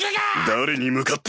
誰に向かって。